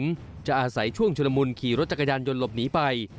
จะอาศัยช่วงชุลมุนขี่รถจักรยานยนต์หลบหนีไป